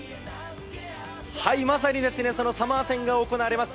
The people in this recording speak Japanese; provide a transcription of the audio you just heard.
まさにサモア戦が行われます